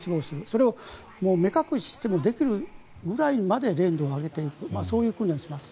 それを目隠ししてもできるぐらいまで練度を上げていくそういう訓練をします。